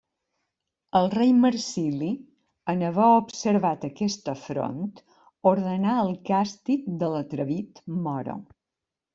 El rei Marsili, en haver observat aquest afront ordena el càstig de l'atrevit moro.